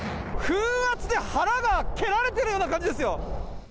風圧で腹が蹴られてるような感じ